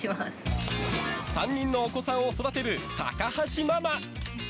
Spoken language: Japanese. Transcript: ３人のお子さんを育てる高橋ママ。